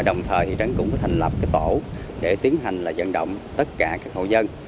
đồng thời thị trấn cũng có thành lập cái tổ để tiến hành là dần động tất cả các hộ dân